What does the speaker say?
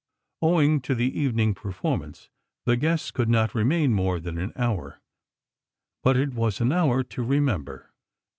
Owing to the evening performance, the guests could not remain more than an hour, but it was an hour to remember.